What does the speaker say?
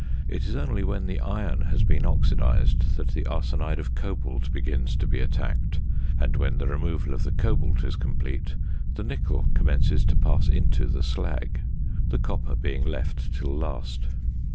It is only when the iron has been oxidised that the arsenide of cobalt begins to be attacked; and when the removal of the cobalt is complete, the nickel commences to pass into the slag, the copper being left till last.